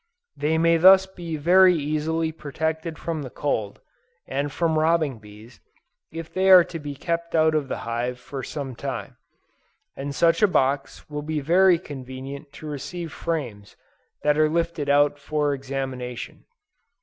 They may thus be very easily protected from the cold, and from robbing bees, if they are to be kept out of the hive for some time; and such a box will be very convenient to receive frames that are lifted out for examination.